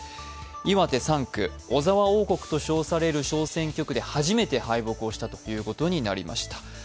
岩手３区小沢王国と称される小選挙区で初めて敗北をしたということになりました。